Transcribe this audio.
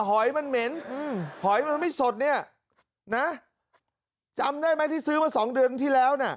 หอยมันเหม็นหอยมันไม่สดเนี่ยนะจำได้ไหมที่ซื้อมาสองเดือนที่แล้วน่ะ